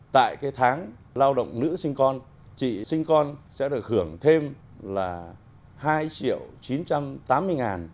tại cái tháng lao động nữ sinh con chị sinh con sẽ được hưởng thêm là hai triệu chín trăm tám mươi ngàn